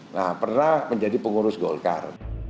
nah pernah menjadi pengurus golkar